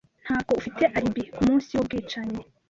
Ntabwo ufite alibi kumunsi wubwicanyi.